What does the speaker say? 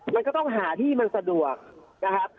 มันก็ต้องหาที่มันสะดวกนะครับ